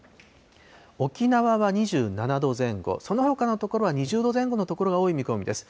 沖縄は２７度前後、そのほかの所は２０度前後の所が多い見込みです。